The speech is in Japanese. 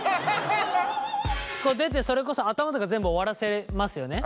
こう出てそれこそ頭とか全部終わらせますよね。